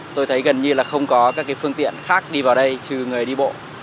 tôi thấy gần như là không có các phương tiện khác đi vào đây trừ người đi bộ